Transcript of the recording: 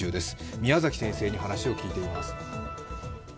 宮崎先生に話を聞いています。